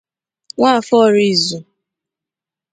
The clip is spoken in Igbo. Nwafor Orizu